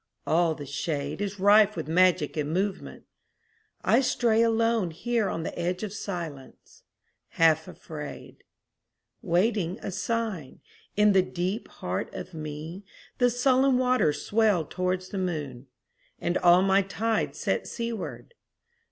All the shadeIs rife with magic and movement. I stray aloneHere on the edge of silence, half afraid, Waiting a sign. In the deep heart of meThe sullen waters swell towards the moon, And all my tides set seaward.